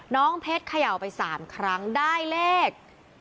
น้องเพชรเขย่าไป๓ครั้งได้เลข